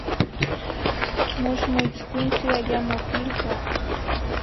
Mox moitzcuintzi ayamo pilua.